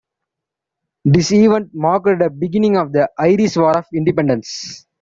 This event marked the beginning of the Irish War of Independence.